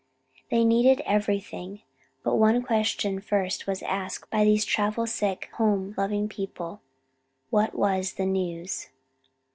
They needed everything. But one question first was asked by these travel sick home loving people: What was the news?